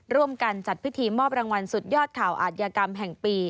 ร่วมกันจัดพิธีมอบรางวัลสุดยอดข่าวอาจยากรรมแห่งปี